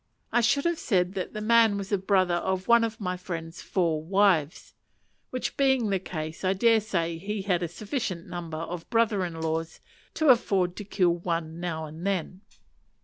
I should have said that the man was a brother of one of my friend's four wives; which being the case, I dare say he had a sufficient number of brothers in law to afford to kill one now and then.